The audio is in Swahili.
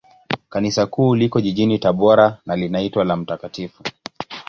Kanisa Kuu liko jijini Tabora, na linaitwa la Mt.